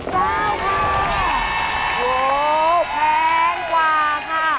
แพงกว่าค่ะ